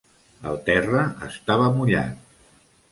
El terra estava mullat.